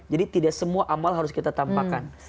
jadi tidak semua amal harus kita tampakan